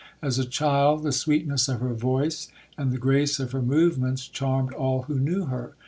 As a child the sweetness of her voice and the grace of her movements charmed all who knew her.